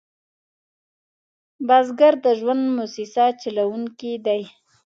بزګر د ژوند موسسه چلوونکی دی